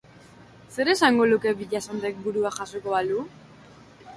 Zer esango luke Villasantek burua jasoko balu?